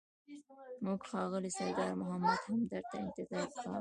موږ ښاغلي سردار محمد همدرد ته انتظار کاوه.